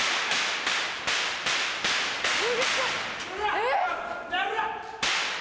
えっ！